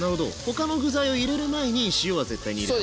他の具材を入れる前に塩は絶対に入れる。